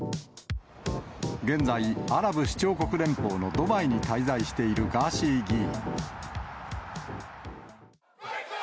現在、アラブ首長国連邦のドバイに滞在しているガーシー議員。